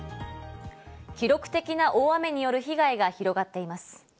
記録的な大雨による被害が広がっています。